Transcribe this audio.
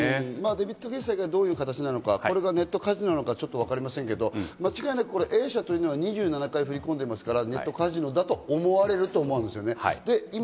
デビット決済がどういう形なのか、ネットカジノなのかわかりませんけど、間違いなくＡ社というのは２７回振り込んでいますからネットカジノだと思われるんですよね。